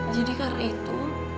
jadi karena itu